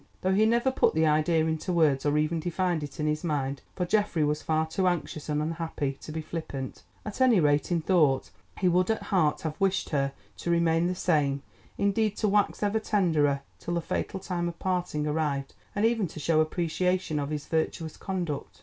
Though he never put the idea into words or even defined it in his mind—for Geoffrey was far too anxious and unhappy to be flippant, at any rate in thought—he would at heart have wished her to remain the same, indeed to wax ever tenderer, till the fatal time of parting arrived, and even to show appreciation of his virtuous conduct.